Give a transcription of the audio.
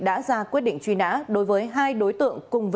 đã ra quyết định truy nã đối với hai đối tượng